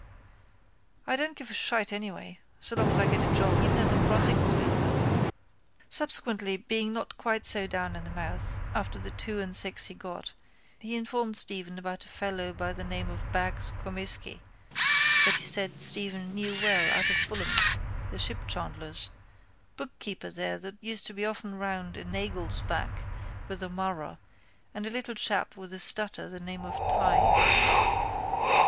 I don't give a shite anyway so long as I get a job, even as a crossing sweeper. Subsequently being not quite so down in the mouth after the two and six he got he informed Stephen about a fellow by the name of Bags Comisky that he said Stephen knew well out of Fullam's, the shipchandler's, bookkeeper there that used to be often round in Nagle's back with O'Mara and a little chap with a stutter the name of Tighe.